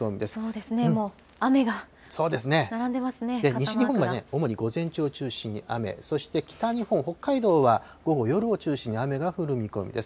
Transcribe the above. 西日本で主に午前中を中心に雨、そして北日本、北海道は午後、夜を中心に雨が降る見込みです。